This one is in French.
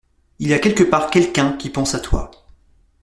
Il y a quelque part quelqu’un qui pense à toi.